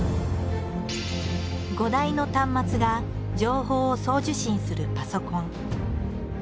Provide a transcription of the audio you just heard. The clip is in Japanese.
５台の端末が情報を送受信するパソコン。